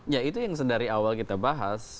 ya itu yang sedari awal kita bahas